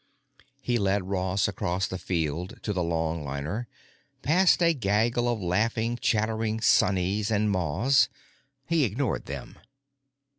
He led Ross across the field to the longliner, past a gaggle of laughing, chattering Sonnies and Mas. He ignored them.